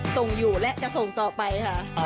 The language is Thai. ส่งอยู่และจะส่งต่อไปค่ะ